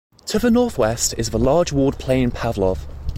To the northwest is the large walled plain Pavlov.